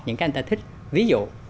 những cái người ta thích ví dụ